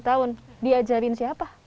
tujuh tahun diajarin siapa